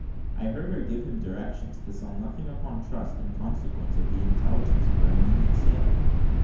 I heard her give him directions to sell nothing upon trust in consequence of the intelligence of our immediate sailing.